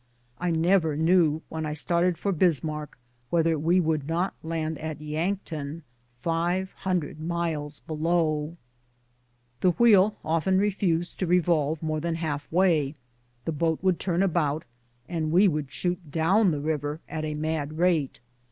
I never knew, when I started for Bismarck, whether we would not land at Yankton, five hundred miles below. The wheel often refused to revolve more than half way, the boat would turn about, and we would shoot down the river at a mad rate.